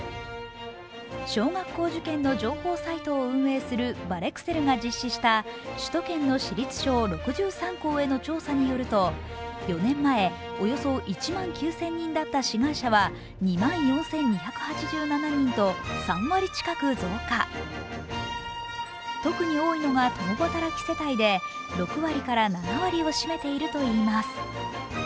小学校受験の情報サイトを運営するバレクセルが実施した首都圏の私立小６３校への調査によると４年前、およそ１万９０００人だった志願者は、特に多いのが共働き世帯で６割から７割を占めているといいます。